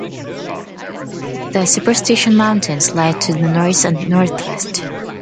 The Superstition Mountains lie to the north and northwest.